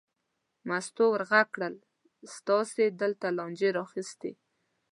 مستو ور غږ کړل: تاسې دلته لانجې را اخیستې.